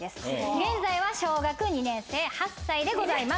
現在は小学２年生８歳でございます。